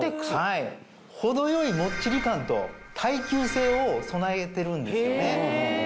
程よいもっちり感と耐久性を備えてるんですよね。